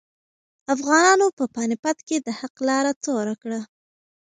افغانانو په پاني پت کې د حق لاره توره کړه.